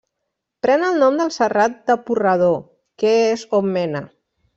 Pren el nom del Serrat de Purredó, que és on mena.